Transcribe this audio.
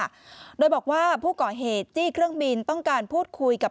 ด้วยบอกว่าผู้ก่อเหตุจี้เครื่องบินต้องการพูดคุยกับ